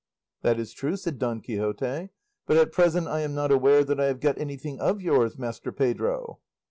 "That is true," said Don Quixote; "but at present I am not aware that I have got anything of yours, Master Pedro."